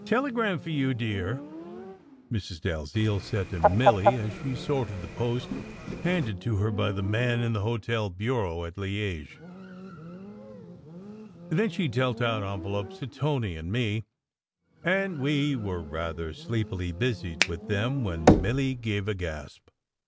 "Telegram for you, dear," Mrs. Dalziel said to Milly as she sorted the post handed to her by the man in the hotel bureau at Liege. Then she dealt out envelopes to Tony SECRET HISTORY and me, and we were rather sleepily busied with them when Milly gave a gasp.